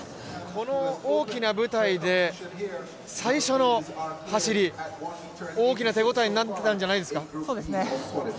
この大きな舞台で最初の走り、大きな手応えになっていたんじゃないですか？